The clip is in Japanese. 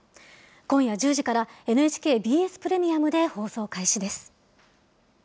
今夜１０時から、ＮＨＫＢＳプレミアムで放送開始です。